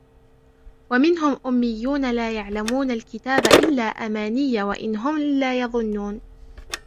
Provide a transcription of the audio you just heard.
ومنهم أميون لا يعلمون الكتاب إلا أماني وإن هم إلا يظنون